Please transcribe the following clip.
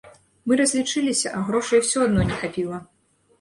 Мы разлічыліся, а грошай усё адно не хапіла.